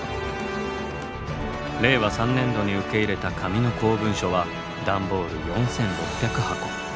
令和３年度に受け入れた紙の公文書は段ボール